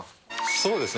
そうですね。